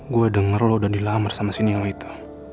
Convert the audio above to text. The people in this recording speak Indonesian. gue denger lo udah dilamar sama si nino itu